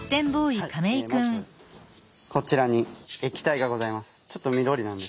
まずこちらに液体がございます。